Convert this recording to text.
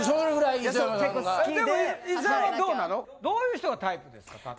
どういう人がタイプですか？